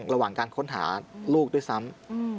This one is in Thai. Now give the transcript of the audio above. ระหว่างการค้นหาลูกด้วยซ้ำ